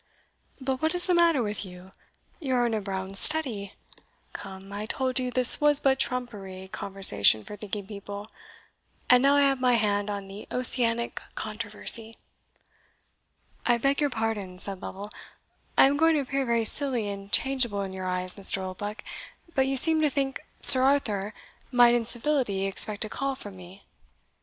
But what is the matter with you? you are in a brown study! Come, I told you this was but trumpery conversation for thinking people and now I have my hand on the Ossianic Controversy." "I beg your pardon," said Lovel; "I am going to appear very silly and changeable in your eyes, Mr. Oldbuck but you seemed to think Sir Arthur might in civility expect a call from me?"